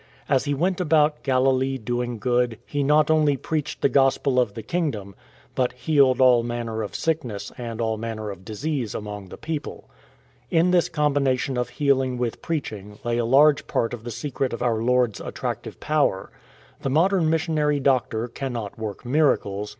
As He went about Galilee doing good, He not only "preached the Gospel of the kingdom,"" but "healed all manner of sickness and all manner of disease among the people.'*' In this combination of healing with preaching lay a large part of the secret of our Lord's attractive power. The modern missionary doctor cannot work miracles.